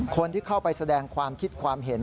คนที่เข้าไปแสดงความคิดความเห็น